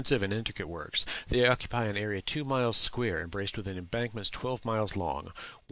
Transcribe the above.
and intricate works: they occupy an area two miles square, embraced within embankments twelve miles long.